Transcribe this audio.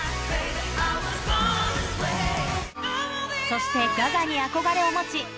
そしてガガに憧れを持ち